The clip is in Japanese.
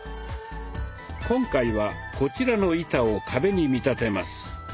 今回はこちらの板を壁に見立てます。